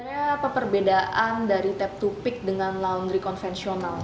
apa perbedaan dari tap to pick dengan laundry konvensional